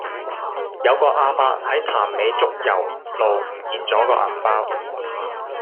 有個亞伯喺潭尾竹攸路唔見左個銀包